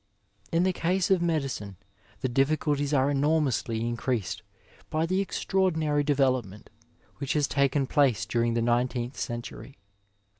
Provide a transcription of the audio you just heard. In the case of medi cine the difficulties are enormously increased by the extra ordinary development which has taken place during the nineteenth century.